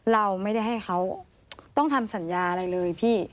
เราไม่ได้ให้เขาต้องทำสัญญาอะไรเลยพี่